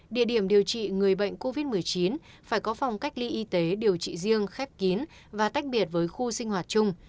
địa điểm điều trị người bệnh covid một mươi chín phải có phòng cách ly y tế điều trị riêng khép kín và tách biệt với khu sinh hoạt chung